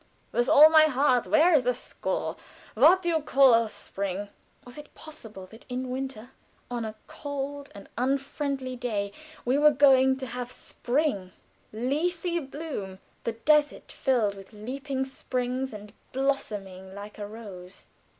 "With all my heart. Where is the score?" "What you call Spring?" Was it possible that in winter on a cold and unfriendly day we were going to have spring, leafy bloom, the desert filled with leaping springs, and blossoming like a rose?